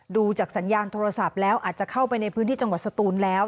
ดูจากสัญญาณโทรศัพท์แล้วอาจจะเข้าไปในพื้นที่จังหวัดสตูนแล้ว